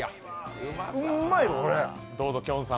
うんまいわ、これ。